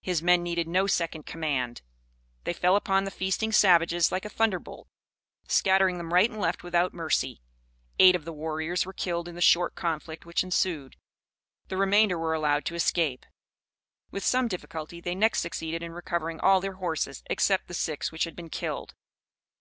His men needed no second command. They fell upon the feasting savages like a thunderbolt, scattering them right and left without mercy. Eight of the warriors were killed in the short conflict which ensued. The remainder were allowed to escape. With some difficulty they next succeeded in recovering all their horses, except the six which had been killed.